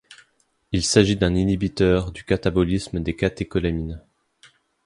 Il s'agit d'un inhibiteur du catabolisme des catécholamines.